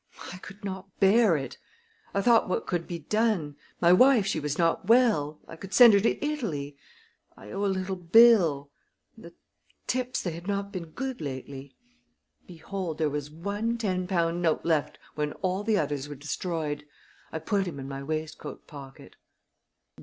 I could not bear it. I thought what could be done. My wife she was not well. I could send her to Italy. I owe a little bill. The tips they had not been good lately. Behold! There was one ten pound note left when all the others were destroyed. I put him in my waistcoat pocket."